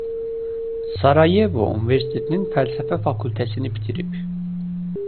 Sarayevo Universitetinin Fəlsəfə fakültəsini bitirib.